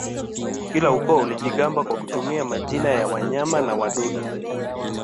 Kila ukoo ulijigamba kwa kutumia majina ya wanyama na wadudu